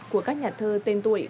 của các nhà thơ tên tuổi